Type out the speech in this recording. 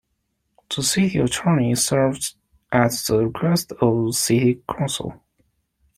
The City Attorney serves at the request of City Council.